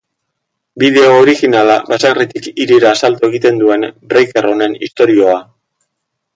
Bideo originala baserritik hirira salto egiten duen breaker honen istorioa.